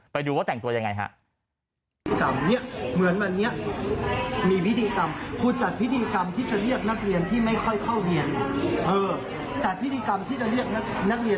ไปดูว่าแต่งตัวยังไงฮะ